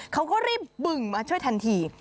เขาก็รีบบึงมาช่วยทันที